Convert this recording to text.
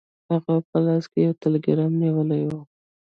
هغه په لاس کې یو ټیلګرام نیولی و.